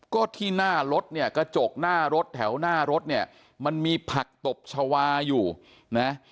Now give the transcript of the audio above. ก็ที่หน้ารถเนี่ยกระจกหน้ารถแถวหน้ารถเนี่ยมันมีผักตบชาวาอยู่นะ